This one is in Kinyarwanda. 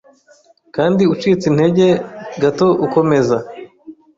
Kandi ucitse intege gato ukomeza